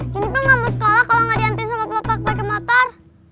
janiper gak mau sekolah kalau gak dihantin sama papa pake motor